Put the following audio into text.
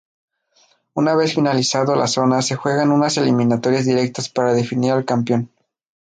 Una vez finalizado las zonas se juegan unas eliminatorias directas para definir al campeón.